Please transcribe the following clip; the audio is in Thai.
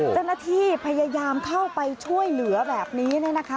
เจ้าหน้าที่พยายามเข้าไปช่วยเหลือแบบนี้เนี่ยนะคะ